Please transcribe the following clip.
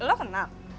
hah lo kenal